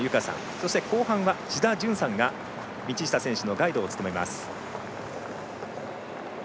そして後半は志田淳さんが道下選手のガイドを務めます。